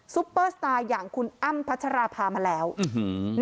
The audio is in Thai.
ปเปอร์สตาร์อย่างคุณอ้ำพัชราภามาแล้วอื้อหือ